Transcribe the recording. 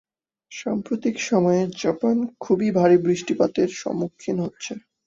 সাম্প্রতিক সময়ে জাপান খুবই ভারী বৃষ্টিপাতের সম্মুখীন হচ্ছে।